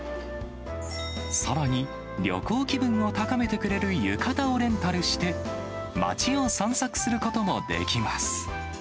さらに、旅行気分を高めてくれる浴衣をレンタルして、街を散策することもできます。